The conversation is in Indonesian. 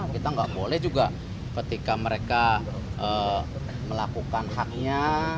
kita nggak boleh juga ketika mereka melakukan haknya